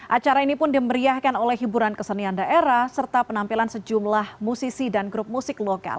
acara ini pun dimeriahkan oleh hiburan kesenian daerah serta penampilan sejumlah musisi dan grup musik lokal